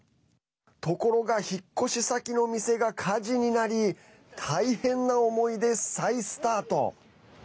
ところが引っ越し先の店が火事になり大変な思いで再スタート。